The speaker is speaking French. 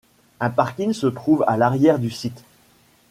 Un parking se trouve à l'arrière du site.